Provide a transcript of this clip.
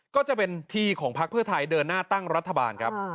ก็จะเป็นที่ของพักเพื่อไทยเดินหน้าตั้งรัฐบาลครับ